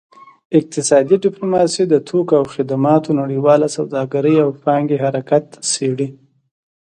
اقتصادي ډیپلوماسي د توکو او خدماتو نړیواله سوداګرۍ او پانګې حرکت څیړي